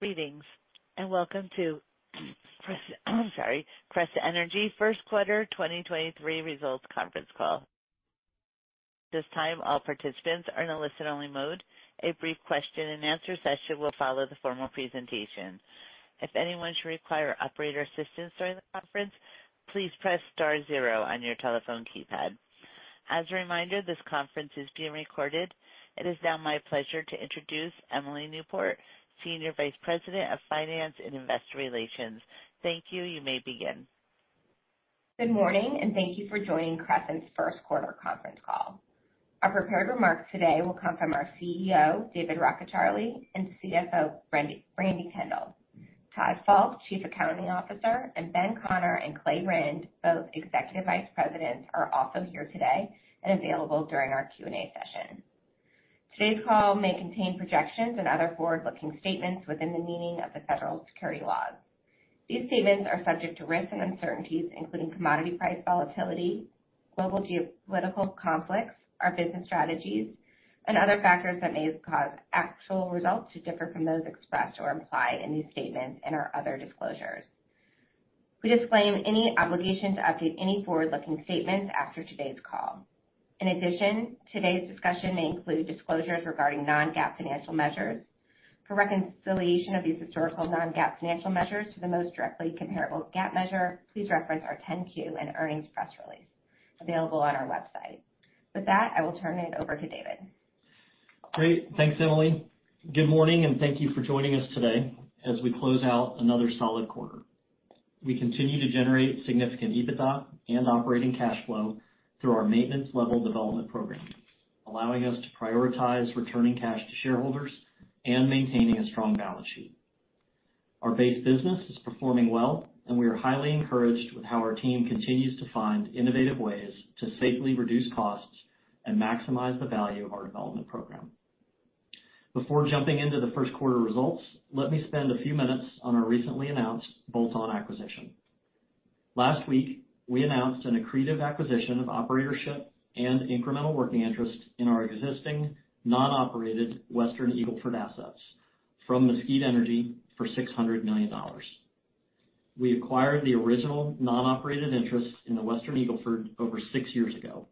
Greetings. Welcome to Crescent Energy first quarter 2023 results conference call. At this time, all participants are in a listen-only mode. A brief question-and-answer session will follow the formal presentation. If anyone should require operator assistance during the conference, please press star zero on your telephone keypad. As a reminder, this conference is being recorded. It is now my pleasure to introduce Emily Newport, Senior Vice President of Finance and Investor Relations. Thank you. You may begin. Good morning, and thank you for joining Crescent's first quarter conference call. Our prepared remarks today will come from our CEO, David Rockecharlie, and CFO Brandi Kendall. Todd Falk, Chief Accounting Officer, and Benjamin Conner and Clay Rynd, both Executive Vice Presidents, are also here today and available during our Q&A session. Today's call may contain projections and other forward-looking statements within the meaning of the federal security laws. These statements are subject to risks and uncertainties, including commodity price volatility, global geopolitical conflicts, our business strategies, and other factors that may cause actual results to differ from those expressed or implied in these statements and our other disclosures. We disclaim any obligation to update any forward-looking statements after today's call. In addition, today's discussion may include disclosures regarding non-GAAP financial measures. For reconciliation of these historical non-GAAP financial measures to the most directly comparable GAAP measure, please reference our 10-Q and earnings press release available on our website. I will turn it over to David. Great thanks Emily good morning, and thank you for joining us today as we close out another solid quarter. We continue to generate significant EBITDA and operating cash flow through our maintenance level development program, allowing us to prioritize returning cash to shareholders and maintaining a strong balance sheet. Our base business is performing well, we are highly encouraged with how our team continues to find innovative ways to safely reduce costs and maximize the value of our development program. Before jumping into the first quarter results, let me spend a few minutes on our recently announced Bolt-on Acquisition. Last week, we announced an Accretive Acquisition of Operatorship and incremental working interest in our existing non-operated Western Eagle Ford assets from Mesquite Energy for $600 million. We acquired the original non-operated interest in the Western Eagle Ford over six years ago,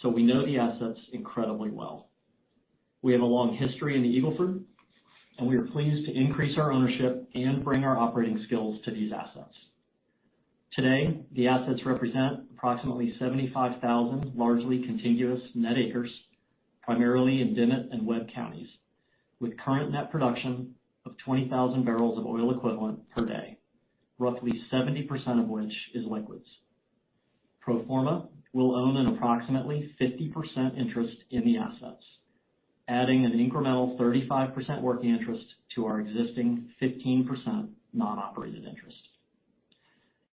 so we know the assets incredibly well. We have a long history in the Eagle Ford, and we are pleased to increase our ownership and bring our operating skills to these assets. Today, the assets represent approximately 75,000 largely contiguous net acres, primarily in Dimmit and Webb counties, with current net production of 20,000 barrels of oil equivalent per day, roughly 70% of which is liquids. Pro forma will own an approximately 50% interest in the assets, adding an incremental 35% working interest to our existing 15% non-operated interest.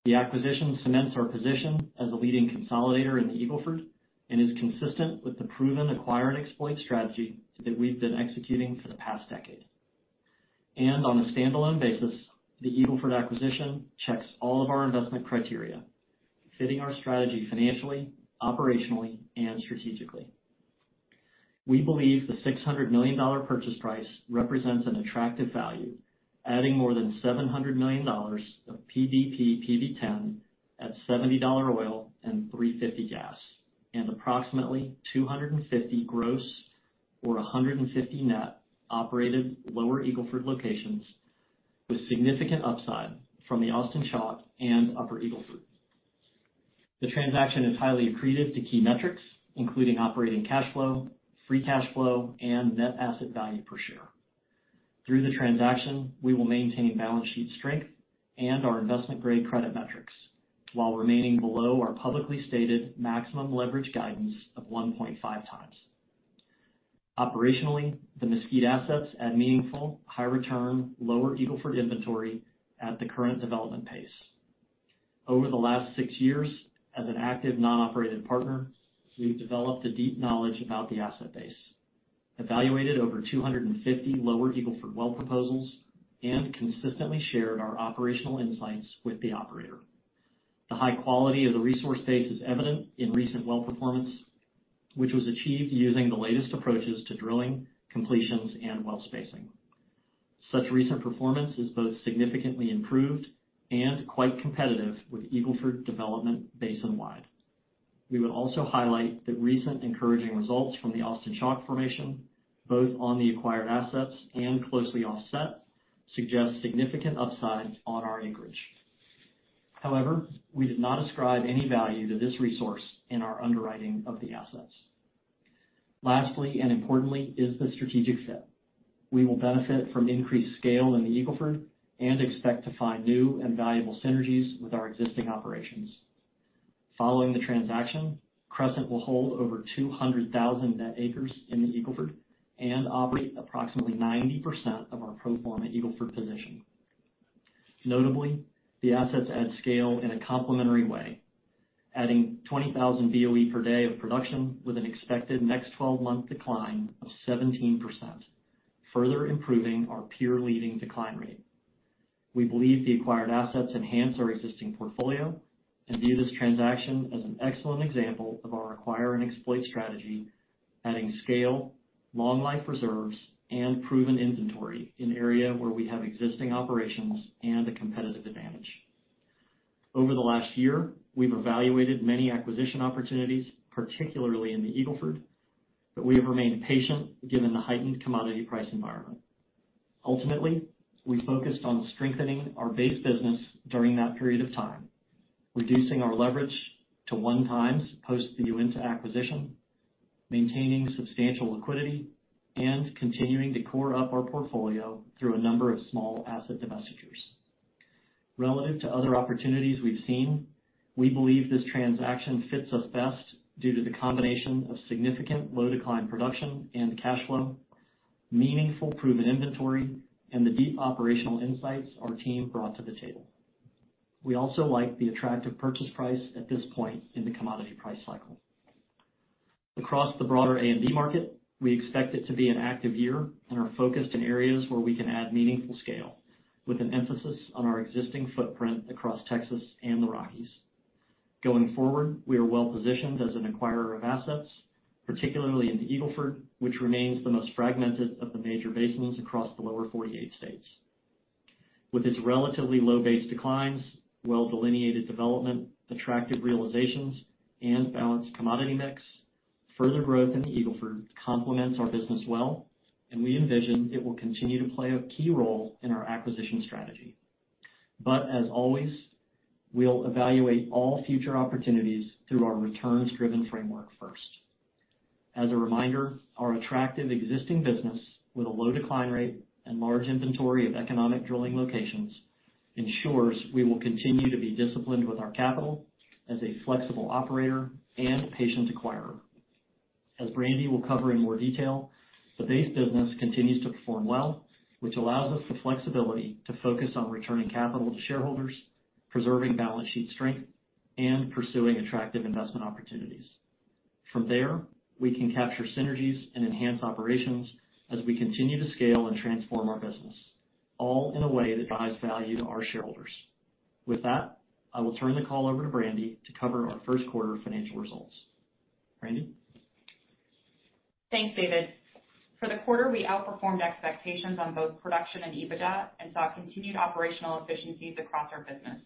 The acquisition cements our position as a leading consolidator in the Eagle Ford and is consistent with the proven acquire and exploit strategy that we've been executing for the past decade. On a standalone basis, the Eagle Ford acquisition checks all of our investment criteria, fitting our strategy financially, operationally, and strategically. We believe the $600 million purchase price represents an attractive value, adding more than $700 million of PDP/PV-10 at $70 oil and $3.50 gas, and approximately 250 gross or 150 net operated lower Eagle Ford locations with significant upside from the Austin Chalk and Upper Eagle Ford. The transaction is highly accretive to key metrics, including operating cash flow, free cash flow, and net asset value per share. Through the transaction, we will maintain balance sheet strength and our investment-grade credit metrics while remaining below our publicly stated maximum leverage guidance of 1.5x. Operationally, the Mesquite assets add meaningful high return lower Eagle Ford inventory at the current development pace. Over the last six years as an active non-operated partner, we've developed a deep knowledge about the asset base, evaluated over 250 lower Eagle Ford well proposals, and consistently shared our operational insights with the operator. The high quality of the resource base is evident in recent well performance, which was achieved using the latest approaches to drilling, completions, and well spacing. Such recent performance is both significantly improved and quite competitive with Eagle Ford development basin-wide. We would also highlight that recent encouraging results from the Austin Chalk formation, both on the acquired assets and closely offset, suggest significant upside on our acreage. However, we did not ascribe any value to this resource in our underwriting of the assets. Lastly and importantly is the strategic fit. We will benefit from increased scale in the Eagle Ford and expect to find new and valuable synergies with our existing operations. Following the transaction, Crescent will hold over 200,000 net acres in the Eagle Ford and operate approximately 90% of our pro forma Eagle Ford position. Notably, the assets add scale in a complementary way, adding 20,000 Boe per day of production with an expected next 12-month decline of 17%, further improving our Peer-leading Decline Rate. We believe the acquired assets enhance our existing portfolio and view this transaction as an excellent example of our acquire and exploit strategy, adding scale, long-life reserves, and proven inventory in an area where we have existing operations and a competitive advantage. Over the last year, we've evaluated many acquisition opportunities, particularly in the Eagle Ford, but we have remained patient given the heightened commodity price environment. Ultimately, we focused on strengthening our base business during that period of time, reducing our leverage to 1x post the Uinta acquisition, maintaining substantial liquidity, and continuing to core up our portfolio through a number of small asset divestitures. Relative to other opportunities we've seen, we believe this transaction fits us best due to the combination of significant low decline production and cash flow, meaningful proven inventory, and the deep operational insights our team brought to the table. We also like the attractive purchase price at this point in the commodity price cycle. Across the broader A&D market, we expect it to be an active year and are focused in areas where we can add meaningful scale, with an emphasis on our existing footprint across Texas and the Rockies. Going forward, we are well-positioned as an acquirer of assets, particularly in the Eagle Ford, which remains the most fragmented of the major basins across the lower 48 states. With its relatively low base declines, well-delineated development, attractive realizations, and balanced commodity mix, further growth in the Eagle Ford complements our business well, and we envision it will continue to play a key role in our acquisition strategy. As always, we'll evaluate all future opportunities through our returns-driven framework first. As a reminder, our attractive existing business with a low decline rate and large inventory of economic drilling locations ensures we will continue to be disciplined with our capital as a flexible operator and patient acquirer. As Brandi will cover in more detail, the base business continues to perform well, which allows us the flexibility to focus on returning capital to shareholders, preserving balance sheet strength, and pursuing attractive investment opportunities. From there, we can capture synergies and enhance operations as we continue to scale and transform our business, all in a way that drives value to our shareholders. With that, I will turn the call over to Brandi to cover our first quarter financial results, Brandi? Thanks David for the quarter, we outperformed expectations on both production and EBITDA and saw continued operational efficiencies across our business.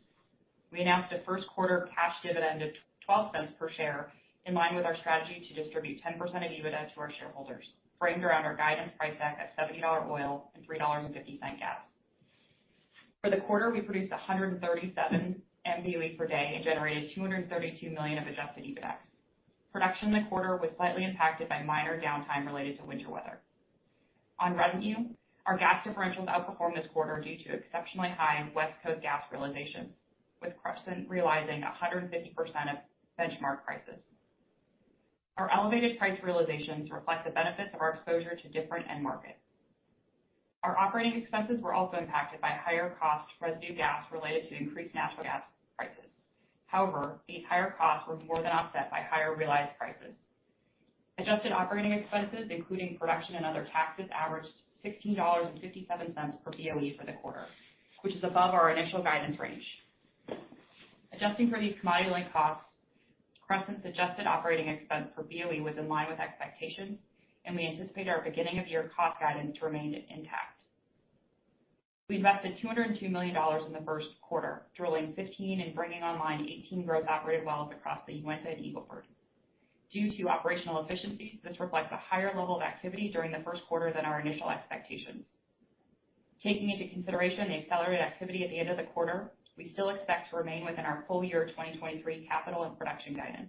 We announced a first-quarter cash dividend of $0.12 per share, in line with our strategy to distribute 10% of EBITDA to our shareholders, framed around our guidance price deck at $70 oil and $3.50 gas. For the quarter, we produced 137 Mboe per day and generated $232 million of Adjusted EBITDA. Production in the quarter was slightly impacted by minor downtime related to winter weather. On revenue, our gas differentials outperformed this quarter due to exceptionally high West Coast gas realization, with Crescent realizing 100% of benchmark prices. Our elevated price realizations reflect the benefits of our exposure to different end markets. Our operating expenses were also impacted by higher cost residue gas related to increased natural gas prices. These higher costs were more than offset by higher realized prices. Adjusted Operating Expenses, including production and other taxes, averaged $16.57 per Boe for the quarter, which is above our initial guidance range. Adjusting for these commodity-linked costs, Crescent's Adjusted Operating Expense per Boe was in line with expectations, and we anticipate our beginning of year cost guidance to remain intact. We invested $202 million in the first quarter, drilling 15 and bringing online 18 gross operated wells across the Uinta and Eagle Ford. Due to operational efficiencies, this reflects a higher level of activity during the first quarter than our initial expectations. Taking into consideration the accelerated activity at the end of the quarter, we still expect to remain within our full year 2023 capital and production guidance.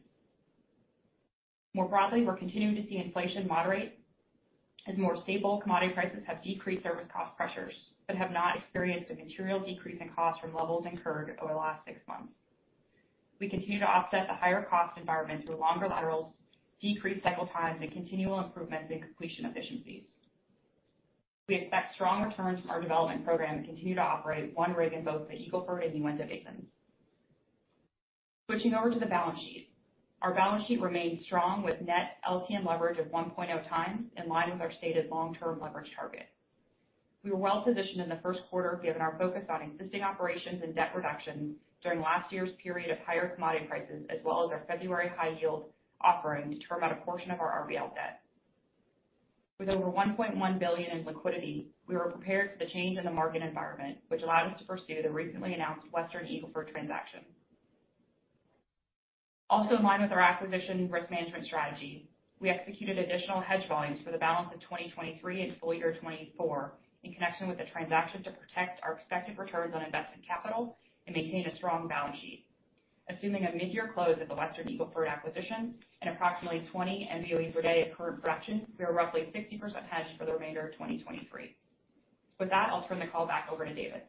More broadly, we're continuing to see inflation moderate as more stable commodity prices have decreased service cost pressures, but have not experienced a material decrease in costs from levels incurred over the last six months. We continue to offset the higher cost environment through longer laterals, decreased cycle times, and continual improvements in completion efficiencies. We expect strong returns from our development program and continue to operate one rig in both the Eagle Ford and Uinta basins. Switching over to the balance sheet. Our balance sheet remains strong with Net LTM leverage of 1.0x, in line with our stated long-term leverage target. We were well-positioned in the first quarter given our focus on existing operations and debt reduction during last year's period of higher commodity prices as well as our February high yield offering to term out a portion of our RBL debt. With over $1.1 billion in liquidity, we were prepared for the change in the market environment, which allowed us to pursue the recently announced Western Eagle Ford transaction. In line with our acquisition risk management strategy, we executed additional hedge volumes for the balance of 2023 and full year 2024 in connection with the transaction to protect our expected returns on invested capital and maintain a strong balance sheet. Assuming a mid-year close of the Western Eagle Ford acquisition and approximately 20 MBoe per day at current production, we are roughly 50% hedged for the remainder of 2023. With that, I'll turn the call back over to David.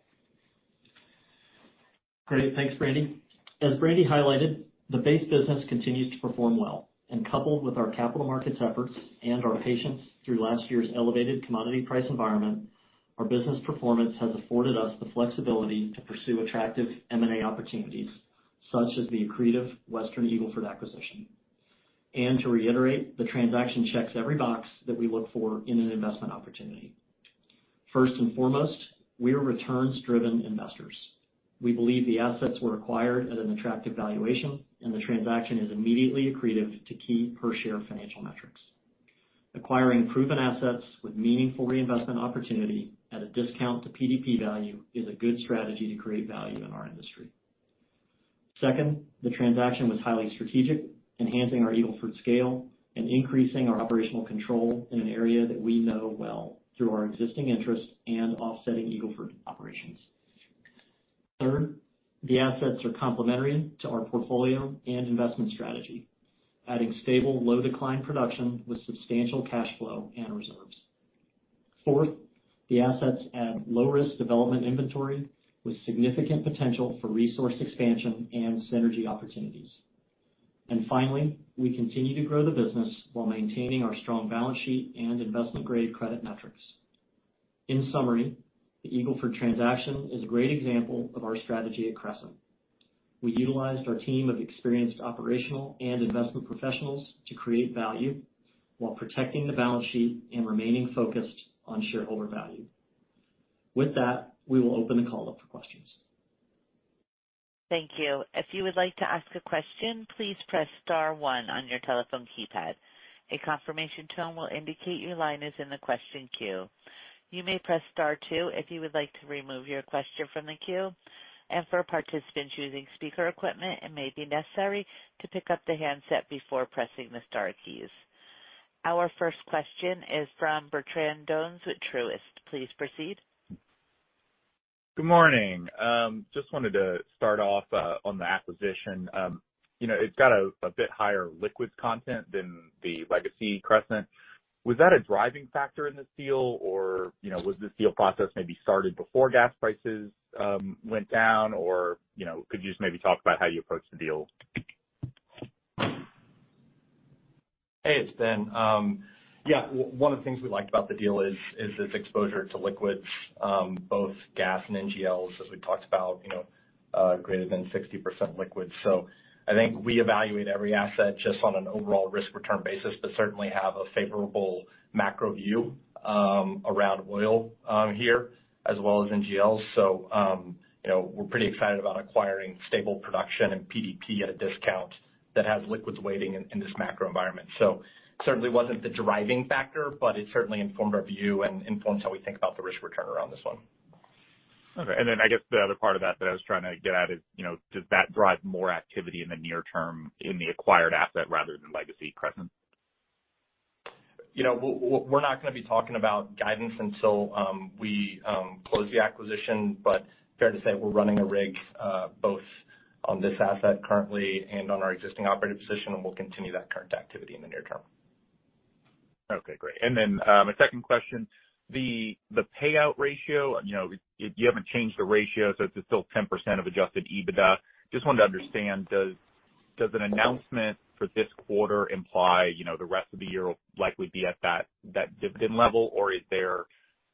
Great thanks Brandi, as Brandi highlighted, the base business continues to perform well. Coupled with our capital markets efforts and our patience through last year's elevated commodity price environment, our business performance has afforded us the flexibility to pursue attractive M&A opportunities, such as the accretive Western Eagle Ford acquisition. To reiterate, the transaction checks every box that we look for in an investment opportunity. First and foremost, we are returns-driven investors. We believe the assets were acquired at an attractive valuation, and the transaction is immediately accretive to key per-share financial metrics. Acquiring proven assets with meaningful reinvestment opportunity at a discount to PDP value is a good strategy to create value in our industry. Second, the transaction was highly strategic, enhancing our Eagle Ford scale and increasing our operational control in an area that we know well through our existing interests and offsetting Eagle Ford operations. Third, the assets are complementary to our portfolio and investment strategy, adding stable, low-decline production with substantial cash flow and reserves. Fourth, the assets add low-risk development inventory with significant potential for resource expansion and synergy opportunities. Finally, we continue to grow the business while maintaining our strong balance sheet and investment-grade credit metrics. In summary, the Eagle Ford transaction is a great example of our strategy at Crescent. We utilized our team of experienced operational and investment professionals to create value while protecting the balance sheet and remaining focused on shareholder value. With that, we will open the call up for questions. Thank you. If you would like to ask a question, please press star one on your telephone keypad. A confirmation tone will indicate your line is in the question queue. You may press star two if you would like to remove your question from the queue. For participants using speaker equipment, it may be necessary to pick up the handset before pressing the star keys. Our first question is from Bertrand Jones with Truist. Please proceed. Good morning, just wanted to start off on the acquisition. You know, it's got a bit higher liquids content than the legacy Crescent. Was that a driving factor in this deal? Was this deal process maybe started before gas prices went down? Could you just maybe talk about how you approached the deal? Hey it's Ben yeah, one of the things we liked about the deal is its exposure to liquids, both gas and NGLs, as we talked about, you know, greater than 60% liquids. I think we evaluate every asset just on an overall risk-return basis, but certainly have a favorable macro view around oil here, as well as NGLs. You know, we're pretty excited about acquiring stable production and PDP at a discount that has liquids weighting in this macro environment. Certainly wasn't the driving factor, but it certainly informed our view and influenced how we think about the risk return around this one. Okay. I guess the other part of that that I was trying to get at is, you know, does that drive more activity in the near term in the acquired asset rather than legacy Crescent? You know, we're not gonna be talking about guidance until we close the acquisition. Fair to say we're running a rig, both on this asset currently and on our existing operated position, and we'll continue that current activity in the near term. Great. Then, my second question, the payout ratio you know, you haven't changed the ratio, so it's still 10% of Adjusted EBITDA. Just wanted to understand, does an announcement for this quarter imply, you know, the rest of the year will likely be at that dividend level? Is there,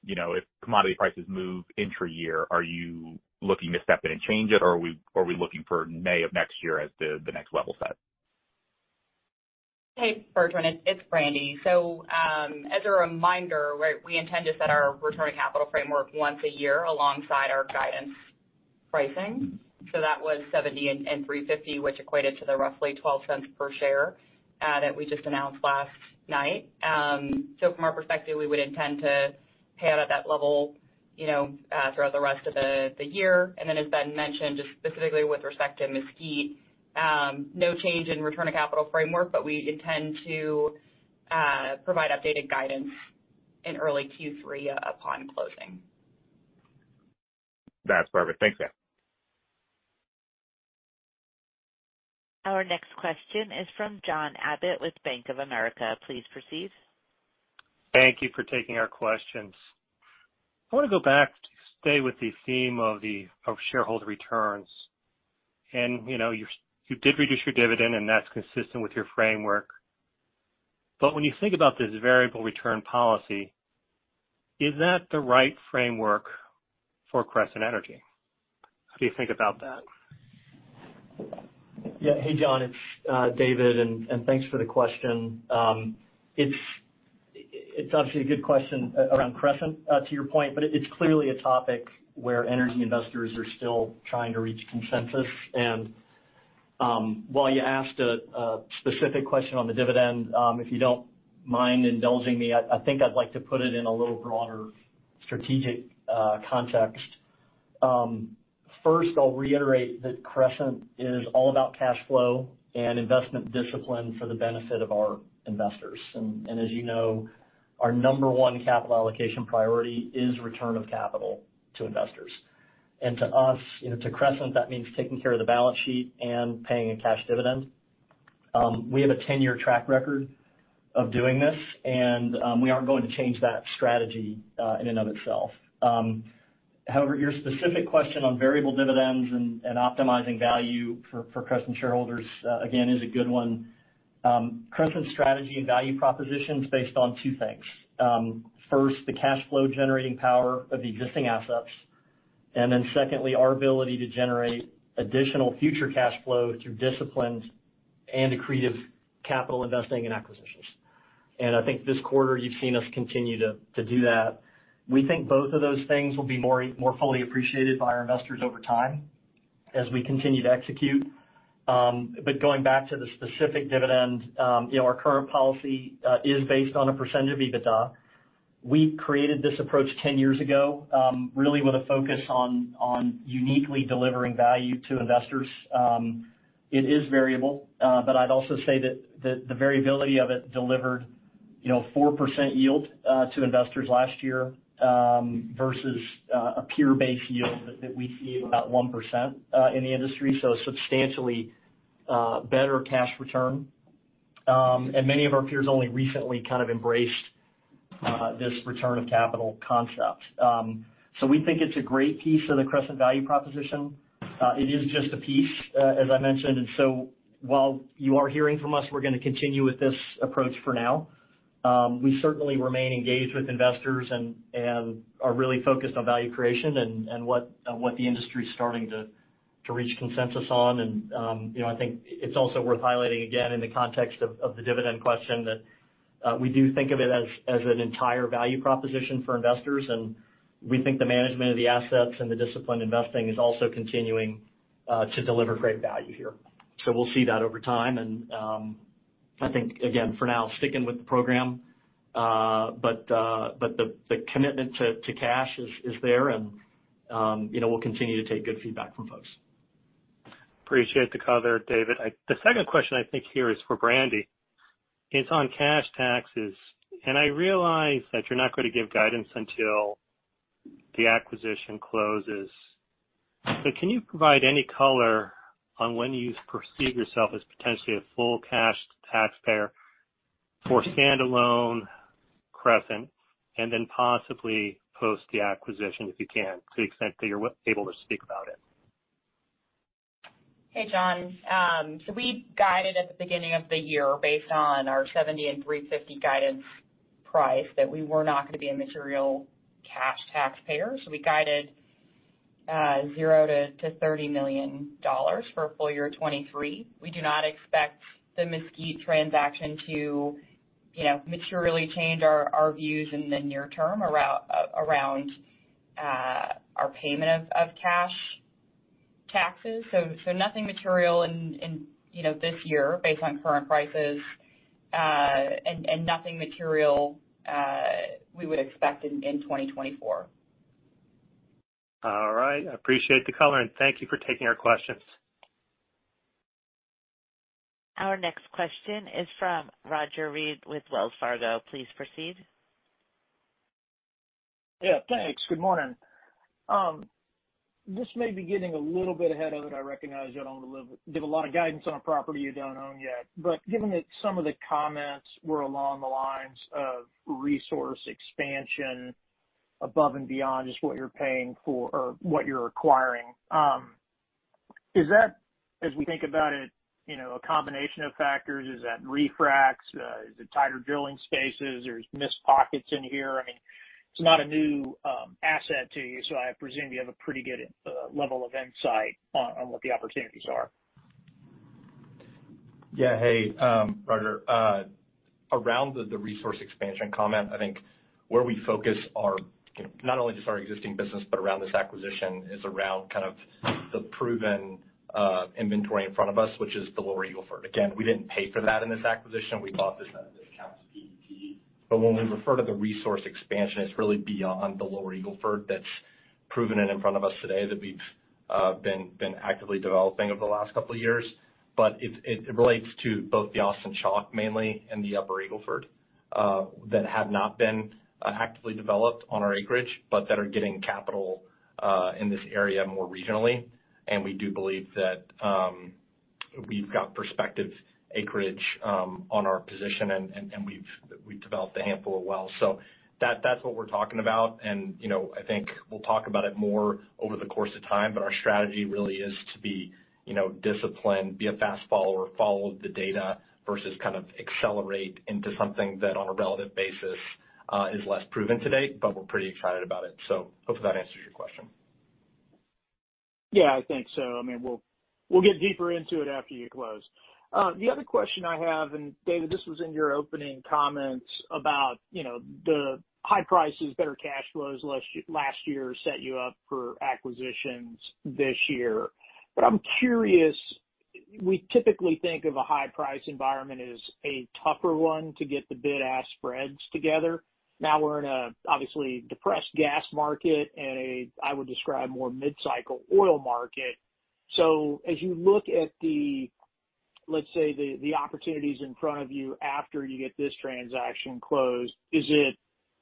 you know, if commodity prices move intra-year, are you looking to step in and change it, or are we looking for May of next year as the next level set? Hey Bertrand, it's Brandi as reminder right, we intend to set our returning capital framework once a year alongside our guidance pricing. That was 70 and 350, which equated to the roughly $0.12 per share that we just announced last night. From our perspective, we would intend to pay out at that level, you know, throughout the rest of the year. As Ben mentioned, just specifically with respect to Mesquite Energy, no change in return of capital framework, but we intend to provide updated guidance in early Q3 upon closing. That's perfect. Thanks, guys. Our next question is from John Abbott with Bank of America. Please proceed. Thank you for taking our questions. I wanna go back to stay with the theme of the, of shareholder returns. You know, you did reduce your dividend, and that's consistent with your framework. When you think about this variable return policy, is that the right framework for Crescent Energy? How do you think about that? Yeah hey John, it's David and thanks for the question. It's obviously a good question around Crescent, to your point, but it's clearly a topic where energy investors are still trying to reach consensus. While you asked a specific question on the dividend, if you don't mind indulging me, I think I'd like to put it in a little broader strategic, context. First, I'll reiterate that Crescent is all about cash flow and investment discipline for the benefit of our investors. As you know, our number one capital allocation priority is return of capital to investors. To us, you know, to Crescent, that means taking care of the balance sheet and paying a cash dividend. We have a 10-year track record of doing this, and we aren't going to change that strategy in and of itself. However, your specific question on variable dividends and optimizing value for Crescent shareholders again, is a good one. Crescent's strategy and value proposition is based on two things. First, the cash flow generating power of existing assets. Then secondly, our ability to generate additional future cash flow through disciplines and accretive capital investing in acquisitions. I think this quarter you've seen us continue to do that. We think both of those things will be more fully appreciated by our investors over time as we continue to execute. Going back to the specific dividend, you know, our current policy is based on a percent of EBITDA. We created this approach 10 years ago, really with a focus on uniquely delivering value to investors. It is variable, but I'd also say that the variability of it delivered, you know, 4% yield to investors last year, versus a peer-based yield that we see about 1% in the industry, so substantially better cash return. Many of our peers only recently kind of embraced this return of capital concept. We think it's a great piece of the Crescent value proposition. It is just a piece, as I mentioned. While you are hearing from us, we're gonna continue with this approach for now. We certainly remain engaged with investors and are really focused on value creation and what the industry is starting to reach consensus on. You know, I think it's also worth highlighting again in the context of the dividend question that we do think of it as an entire value proposition for investors, and we think the management of the assets and the disciplined investing is also continuing to deliver great value here. We'll see that over time. I think again for now, sticking with the program, but the commitment to cash is there and, you know, we'll continue to take good feedback from folks. Appreciate the color, David. The second question I think here is for Brandi, It's on cash taxes. I realize that you're not gonna give guidance until the acquisition closes. Can you provide any color on when you perceive yourself as potentially a full cash taxpayer for standalone Crescent, and then possibly post the acquisition, if you can, to the extent that you're able to speak about it? Hey John, we guided at the beginning of the year based on our 70 and 350 guidance price that we were not gonna be a material cash taxpayer. We guided $0-$30 million for full year 2023. We do not expect the Mesquite transaction to, you know, materially change our views in the near term around our payment of cash taxes. Nothing material in, you know, this year based on current prices, and nothing material we would expect in 2024. All right. I appreciate the color, and thank you for taking our questions. Our next question is from Roger Read with Wells Fargo. Please proceed. Yeah, thanks good morning. This may be getting a little bit ahead of it. I recognize you don't want to give a lot of guidance on a property you don't own yet. Given that some of the comments were along the lines of resource expansion above and beyond just what you're paying for or what you're acquiring, is that, as we think about it, you know, a combination of factors? Is that refracs? Is it tighter drilling spaces? There's missed pockets in here. I mean, it's not a new asset to you, so I presume you have a pretty good level of insight on what the opportunities are. Yeah hey Roger, around the resource expansion comment, I think where we focus our, you know, not only just our existing business, but around this acquisition, is around kind of the proven inventory in front of us, which is the Lower Eagle Ford. Again, we didn't pay for that in this acquisition. We bought this as accounts PP&E. When we refer to the resource expansion, it's really beyond the Lower Eagle Ford that's proven and in front of us today that we've been actively developing over the last couple of years. It relates to both the Austin Chalk mainly and the Upper Eagle Ford that have not been actively developed on our acreage, but that are getting capital in this area more regionally. We do believe that we've got prospective acreage on our position and we've developed a handful of wells. That's what we're talking about. You know, I think we'll talk about it more over the course of time. Our strategy really is to be you know, disciplined, be a fast follower, follow the data versus kind of accelerate into something that on a relative basis, is less proven to date. We're pretty excited about it. Hopefully that answers your question. Yeah, I think so, I mean, we'll get deeper into it after you close. The other question I have, David, this was in your opening comments about, you know, the high prices, better cash flows last year set you up for acquisitions this year. I'm curious, we typically think of a high price environment as a tougher one to get the bid-ask spreads together. Now we're in a obviously depressed gas market and a, I would describe, more mid-cycle oil market. As you look at the, let's say, the opportunities in front of you after you get this transaction closed, is it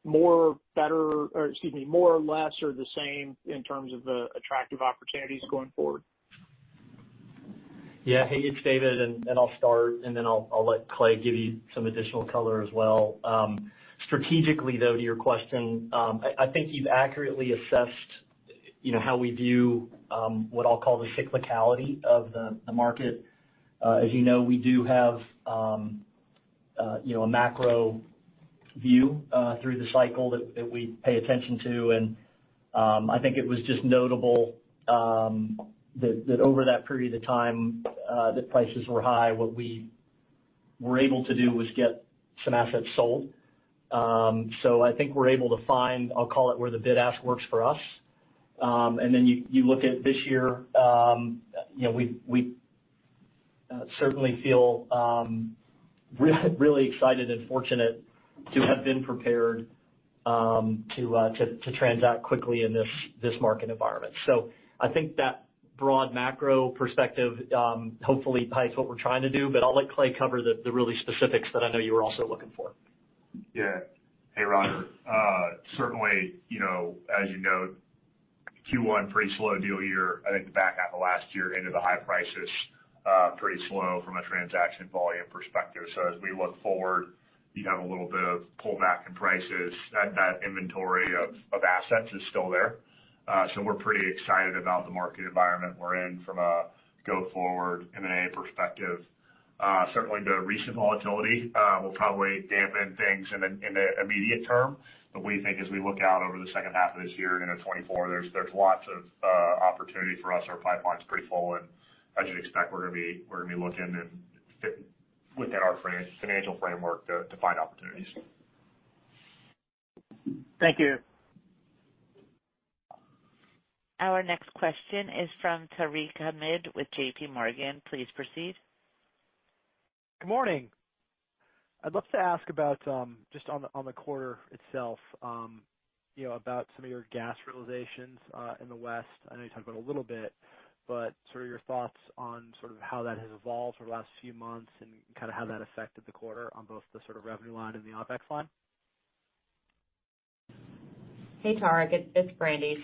more or less or the same in terms of the attractive opportunities going forward? Yeah hey it's David, and I'll start, and then I'll let Clay give you some additional color as well. Strategically, though, to your question, I think you've accurately assessed, you know, how we view, what I'll call the cyclicality of the market. As you know, we do have, you know, a macro-view, through the cycle that we pay attention to. I think it was just notable, that over that period of time, that prices were high. What we were able to do was get some assets sold. I think we're able to find, I'll call it, where the bid-ask works for us. You look at this year, you know, we certainly feel really excited and fortunate to have been prepared to transact quickly in this market environment. I think that broad macro perspective hopefully highlights what we're trying to do, but I'll let Clay cover the really specifics that I know you were also looking for. Yeah hey Roger certainly, you know, as you note Q1, pretty slow deal year. I think the back half of last year into the high prices, pretty slow from a transaction volume perspective. As we look forward, you have a little bit of pullback in prices. That inventory of assets is still there. We're pretty excited about the market environment we're in from a go forward M&A perspective. Certainly the recent volatility will probably dampen things in the immediate term. We think as we look out over the second half of this year into 2024, there's lots of opportunity for us. Our pipeline's pretty full, and as you'd expect, we're gonna be looking and fit within our financial framework to find opportunities. Thank you. Our next question is from Tarek Hamid with JPMorgan. Please proceed. Good morning. I'd love to ask about just on the, on the quarter itself, you know, about some of your gas realizations, in the West. I know you talked about it a little bit, but sort of your thoughts on sort of how that has evolved over the last few months and kind of how that affected the quarter on both the sort of revenue line and the OpEx line. Hey Tarek, it's Brandi.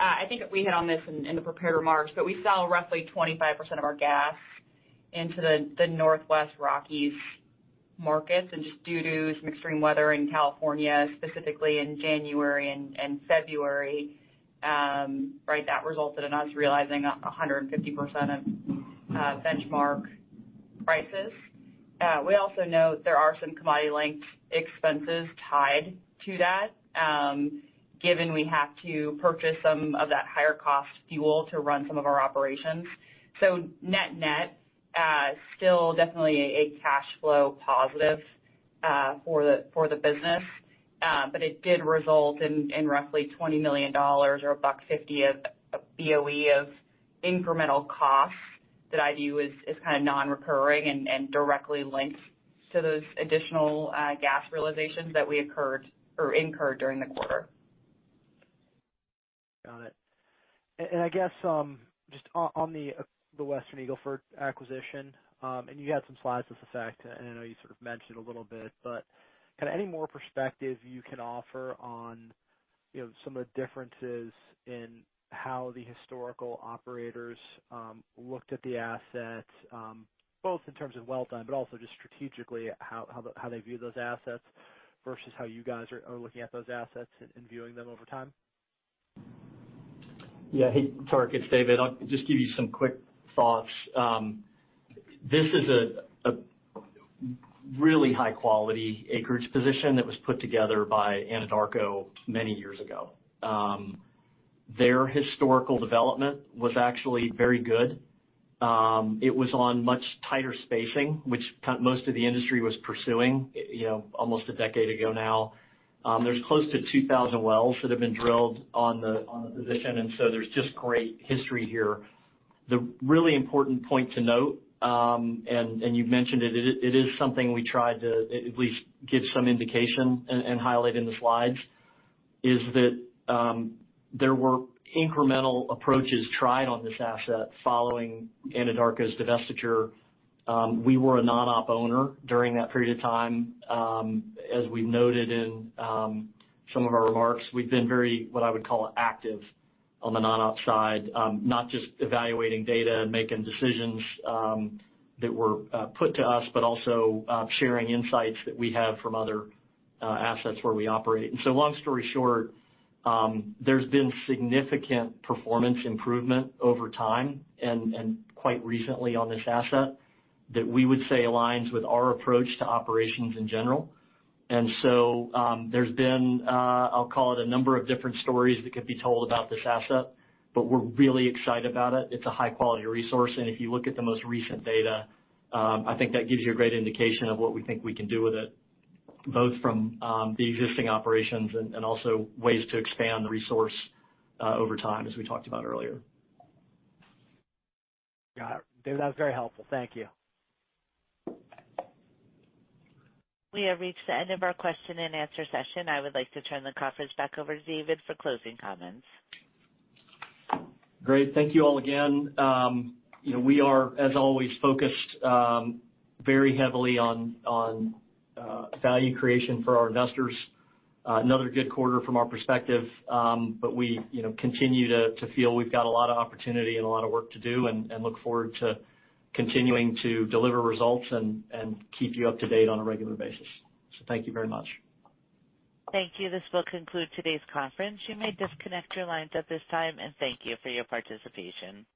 I think we hit on this in the prepared remarks, but we sell roughly 25% of our gas into the Northwest Rockies markets. Just due to some extreme weather in California, specifically in January and February, right, that resulted in us realizing 150% of benchmark prices. We also know there are some commodity-linked expenses tied to that, given we have to purchase some of that higher cost fuel to run some of our operations. Net-net, still definitely a cash flow positive for the business. It did result in roughly $20 million or $1.50 of Boe of incremental costs that I view as kind of non-recurring and directly linked to those additional, gas realizations that we incurred during the quarter. Got it. I guess just on the Western Eagle Ford acquisition, and you had some slides with the fact, and I know you sort of mentioned a little bit, but kind of any more perspective you can offer on, you know, some of the differences in how the historical operators, looked at the assets, both in terms of well done, but also just strategically how they view those assets versus how you guys are looking at those assets and viewing them over time. Hey Tarek, it's David, I'll just give you some quick thoughts. This is a really high quality acreage position that was put together by Anadarko many years ago. Their historical development was actually very good. It was on much tighter spacing, which most of the industry was pursuing, you know, almost a decade ago now. There's close to 2,000 wells that have been drilled on the, on the position. There's just great history here. The really important point to note, you've mentioned it is, it is something we tried to at least give some indication and highlight in the slides, is that, there were incremental approaches tried on this asset following Anadarko's divestiture. We were a non-op owner during that period of time. As we've noted in some of our remarks, we've been very, what I would call active on the non-op side, not just evaluating data and making decisions that were put to us, but also sharing insights that we have from other assets where we operate. Long story short, there's been significant performance improvement over time and quite recently on this asset that we would say aligns with our approach to operations in general. There's been, I'll call it a number of different stories that could be told about this asset, but we're really excited about it. It's a high quality resource, and if you look at the most recent data, I think that gives you a great indication of what we think we can do with it, both from the existing operations and also ways to expand the resource over time, as we talked about earlier. Got it. David, that was very helpful. Thank you. We have reached the end of our question and answer session. I would like to turn the conference back over to David for closing comments. Great Thank you all again. You know we are, as always, focused very heavily on value creation for our investors. Another good quarter from our perspective. We, you know, continue to feel we've got a lot of opportunity and a lot of work to do, and look forward to continuing to deliver results and keep you up to date on a regular basis. Thank you very much. Thank you. This will conclude today's conference. You may disconnect your lines at this time, and thank you for your participation.